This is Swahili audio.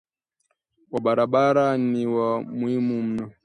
wa barabara ni wa muhimu mno